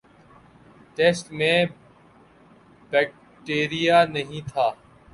test میں bacteria نہیں تھا